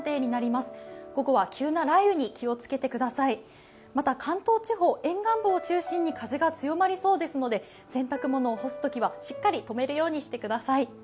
また関東地方、沿岸部を中心に風が強まりそうですので洗濯物を干すときはしっかり止めるようにしてください。